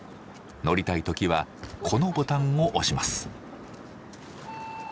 乗りたい時はこのボタンを押します。